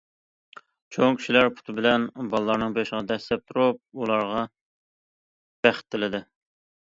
چوڭ كىشىلەر پۇتى بىلەن بالىلارنىڭ بېشىغا دەسسەپ تۇرۇپ ئۇلارغا بەخت تىلىدى.